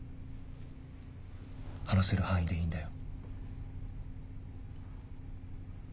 話せる範囲でいいんだよ。